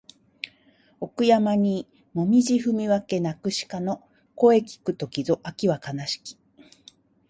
奥山にもみぢ踏み分け鳴く鹿の声聞く時ぞ秋は悲しき